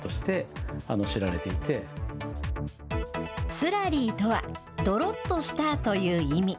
スラリーとは、どろっとしたという意味。